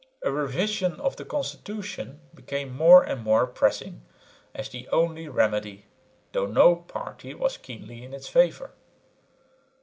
A revision of the constitution became more and more pressing as the only remedy, though no party was keenly in its favour.